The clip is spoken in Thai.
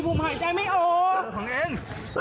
ผมหายใจไม่ออกของเอง